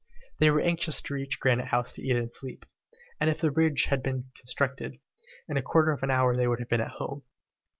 They were anxious to reach Granite House to eat and sleep, and if the bridge had been constructed, in a quarter of an hour they would have been at home.